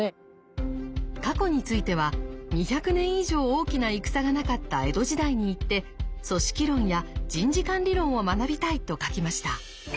過去については２００年以上大きな戦がなかった江戸時代に行って組織論や人事管理論を学びたいと書きました。